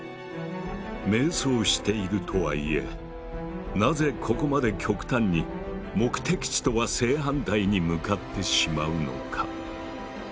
迷走しているとはいえなぜここまで極端に目的地とは正反対に向かってしまうのか？